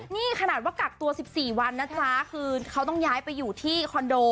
นี่ขนาดว่ากักตัว๑๔วันนะจ๊ะคือเขาต้องย้ายไปอยู่ที่คอนโด